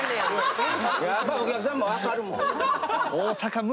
やっぱりお客さんも分かるもん。